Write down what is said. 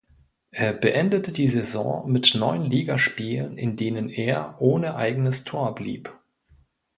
Er beendete die Saison mit neun Ligaspielen in denen er ohne eigenes Tor blieb.